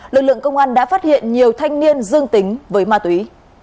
lực lượng công an đã phát hiện nhiều thanh niên dương tính với ma túy